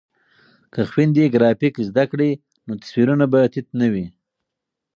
که خویندې ګرافیک زده کړي نو تصویرونه به تت نه وي.